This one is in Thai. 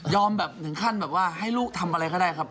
แบบถึงขั้นแบบว่าให้ลูกทำอะไรก็ได้ครับ